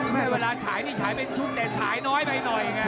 เวลาฉายนี่ฉายเป็นชุดแต่ฉายน้อยไปหน่อยไง